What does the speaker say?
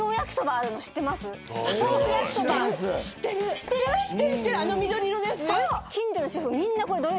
あの緑色のやつね。